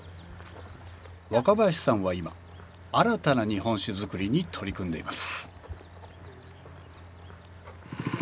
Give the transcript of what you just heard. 若林さんは今新たな日本酒造りに取り組んでいます